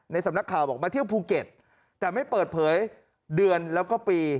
สำนักข่าวบอกมาเที่ยวภูเก็ตแต่ไม่เปิดเผยเดือนแล้วก็ปี